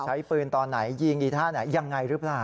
ใช้ปืนตอนไหนยิงอีท่าไหนยังไงหรือเปล่า